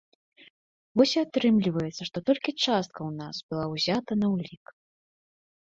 Вось і атрымліваецца, што толькі частка ў нас была ўзята на ўлік.